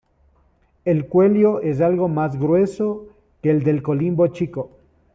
El cuello es algo más grueso que el del colimbo chico.